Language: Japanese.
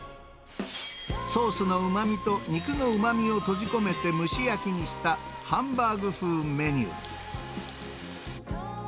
ソースのうまみと肉のうまみを閉じ込めて蒸し焼きにした、ハンバーグ風メニュー。